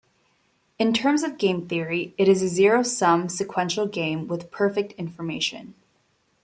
In terms of game theory, it is a zero-sum, sequential game with perfect information.